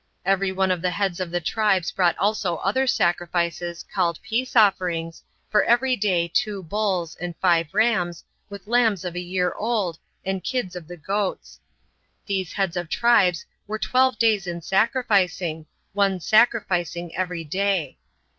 Every one of the heads of the tribes brought also other sacrifices, called peace offerings, for every day two bulls, and five rams, with lambs of a year old, and kids of the goats. These heads of tribes were twelve days in sacrificing, one sacrificing every day.